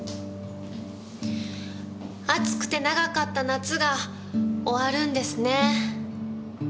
暑くて長かった夏が終わるんですねぇ。